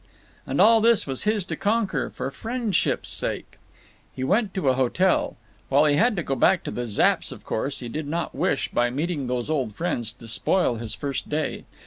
And all this was his to conquer, for friendship's sake. He went to a hotel. While he had to go back to the Zapps', of course, he did not wish, by meeting those old friends, to spoil his first day.